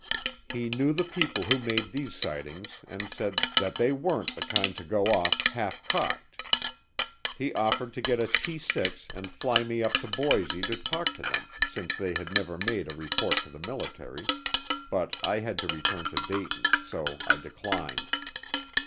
He knew the people who made these sightings and said that they weren't the kind to go off "half cocked." He offered to get a T 6 and fly me up to Boise to talk to them since they had never made a report to the military, but I had to return to Dayton so I declined.